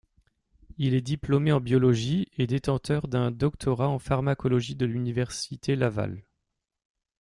Il est diplômé en biologie, et détenteur d’un doctorat en pharmacologie de l’Université Laval.